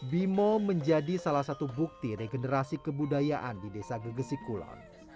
bimo menjadi salah satu bukti regenerasi kebudayaan di desa gegesik kulon